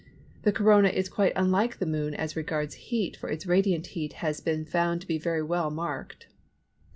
The Corona is quite unlike the Moon as regards heat for its radiant heat has been found to be very well marked.